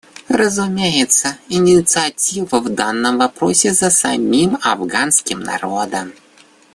Разумеется, инициатива в данном вопросе за самим афганским народом.